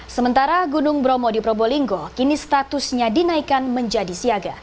sementara gunung bromo di probolinggo kini statusnya dinaikkan menjadi siaga